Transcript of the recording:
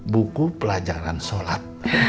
buku pelajaran sholat